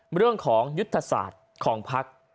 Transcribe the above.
เรื่องของยุทธศาสตร์ของพัก